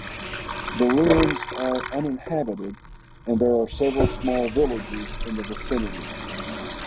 The ruins are uninhabited and there are several small villages in the vicinity.